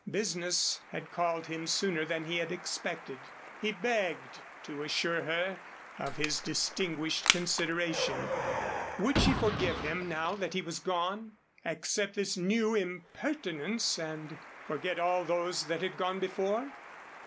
Business had called him sooner than he had expected. He begged to assure her of his distinguished consideration; would she forgive him now that he was gone, accept this new impertinence and forget all those that had gone before?